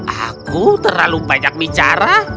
aku terlalu banyak bicara